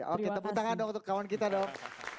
oke tepuk tangan dong untuk kawan kita dong